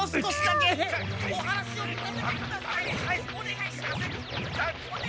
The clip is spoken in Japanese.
おねがいします！